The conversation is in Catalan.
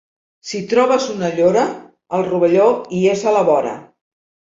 Si trobes una llora, el rovelló hi és a la vora.